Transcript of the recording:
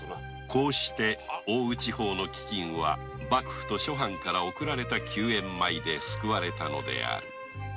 こうして奥羽地方の飢きんは幕府と諸藩から送られた救援米で救われたのである。